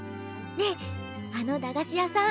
ねえあの駄菓子屋さん